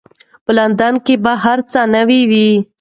په لندن کې به هر څه نوي وي.